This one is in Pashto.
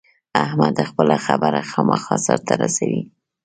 احمد خپله خبره خامخا سر ته رسوي.